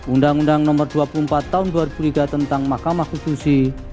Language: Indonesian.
undang undang nomor dua puluh empat tahun dua ribu tiga tentang mahkamah konstitusi